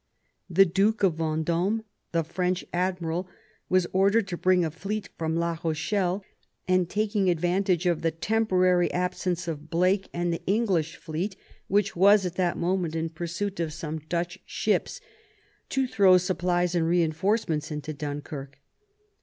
The Duke of Venddme, the French admiral, was ordered to bring a fleet from La Rochelle, and, taking advantage of the temporary absence of Blake and the English fleet, which was at that moment in pursuit of some Dutch ships, to throw supplies and reinforcements into Dunkirk.